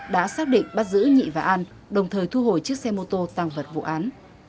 đã xác định bắt giữ nhị và an đồng thời thu hồi chiếc xe mô tô tàng vật vụ án